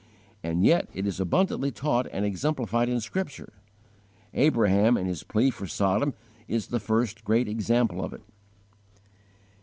And yet it is abundantly taught and exemplified in Scripture. Abraham in his plea for Sodom is the first great example of it.